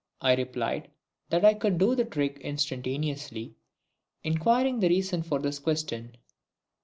I replied that I could do the trick instantaneously, inquiring the reason for his question.